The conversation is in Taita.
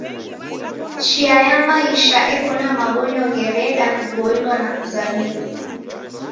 Chia ya maisha eko na mabonyo ghereda kuboilwa na kuzamilwa.